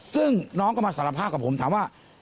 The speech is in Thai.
ซึ่งน้องก็มาสารภาพกับผมถามว่า